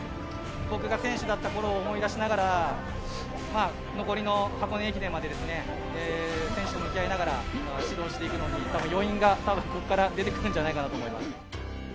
僕が選手だったころを思い出しながら、残りの箱根駅伝まで、選手と向き合いながら指導していくのに、たぶん余韻が、ここから出てくるんじゃないかなと思います。